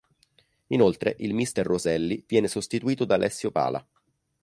Inoltre il mister Roselli viene sostituito da Alessio Pala.